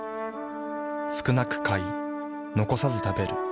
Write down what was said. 少なく買い残さず食べる。